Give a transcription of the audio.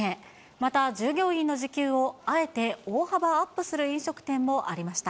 また従業員の時給をあえて大幅アップする飲食店もありました。